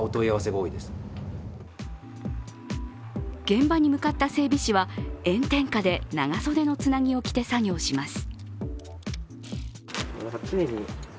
現場に向かった整備士は炎天下で長袖のつなぎを着て作業をします。